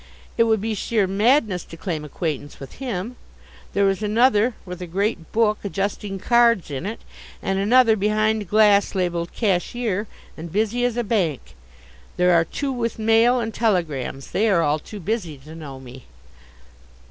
It would be sheer madness to claim acquaintance with him. There is another with a great book, adjusting cards in it; and another, behind glass labelled "Cashier," and busy as a bank; there are two with mail and telegrams. They are all too busy to know me.